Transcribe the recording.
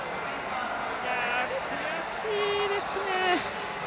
悔しいですね。